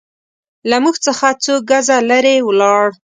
له موږ څخه څو ګزه لرې ولاړ.